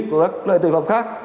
của các loại tội phạm khác